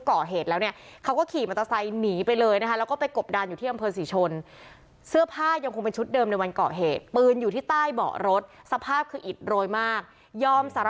เพราะว่าหลังจากที่เขาก่อเหตุแล้วเนี่ย